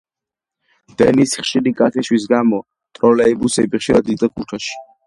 დენის ხშირი გათიშვის გამო ტროლეიბუსები ხშირად იდგა ქუჩაში.